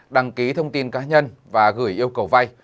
đăng ký thông tin cá nhân và gửi yêu cầu vay